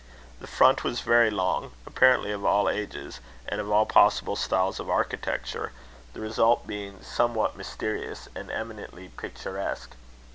The front was very long, apparently of all ages, and of all possible styles of architecture, the result being somewhat mysterious and eminently picturesque.